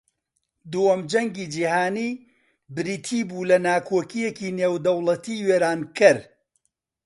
دووەم جەنگی جیھانی بریتی بوو لە ناکۆکییەکی نێودەوڵەتی وێرانکەر